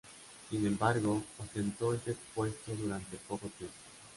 Sin embargo, ostentó este puesto durante poco tiempo.